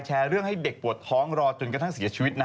เรื่องให้เด็กปวดท้องรอจนกระทั่งเสียชีวิตนะ